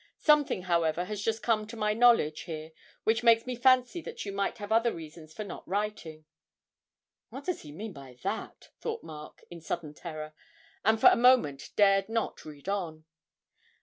Something, however, has just come to my knowledge here which makes me fancy that you might have other reasons for not writing.' ('What does he mean by that?' thought Mark, in sudden terror, and for a moment dared not read on.)